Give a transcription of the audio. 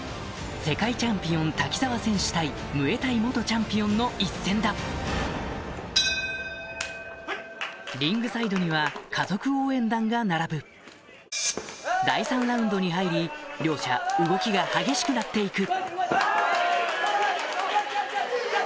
世界チャンピオン・瀧澤選手対ムエタイ元チャンピオンの一戦だリングサイドには家族応援団が並ぶに入り両者動きが激しくなって行く